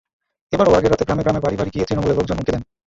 এবারও আগের রাতে গ্রামে গ্রামে বাড়ি বাড়ি গিয়ে তৃণমূলের লোকজন হুমকি দেন।